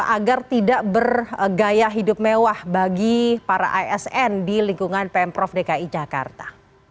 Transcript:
agar tidak bergaya hidup mewah bagi para asn di lingkungan pemprov dki jakarta